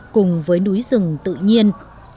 cùng với núi rừng tự nhiên